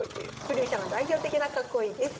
振り飛車の代表的な囲いです。